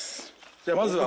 じゃあまずは。